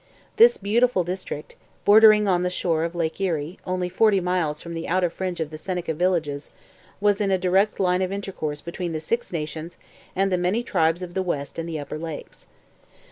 This beautiful district, bordering on the shore of Lake Erie, only forty miles from the outer fringe of the Seneca villages, was in a direct line of intercourse between the Six Nations and the many tribes of the west and the upper lakes.